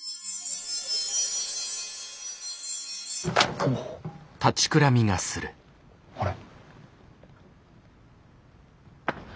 おお。あれ？